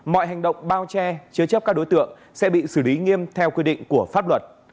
mọi hành động bao che chứa chấp các đối tượng sẽ bị xử lý nghiêm theo quy định của pháp luật